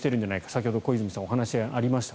先ほど小泉さんからお話がありました。